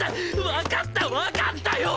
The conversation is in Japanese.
わかったわかったよ！